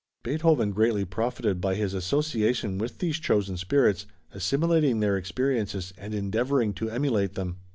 Beethoven greatly profited by his association with these chosen spirits, assimilating their experiences and endeavoring to emulate them.